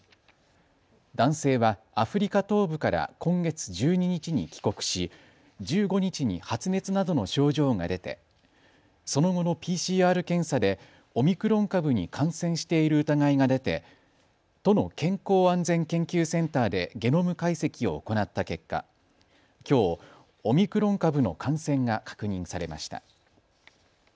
男性はアフリカ東部から今月１２日に帰国し１５日に発熱などの症状が出てその後のＰＣＲ検査でオミクロン株に感染している疑いが出て都の健康安全研究センターでゲノム解析を行った結果、きょう、オミクロン株の感染が確認されました。